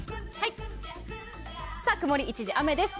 曇り一時雨です。